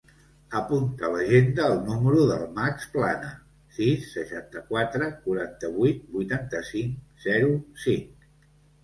Apunta a l'agenda el número del Max Plana: sis, seixanta-quatre, quaranta-vuit, vuitanta-cinc, zero, cinc.